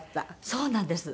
そうなんです。